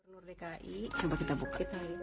gubernur dki coba kita buka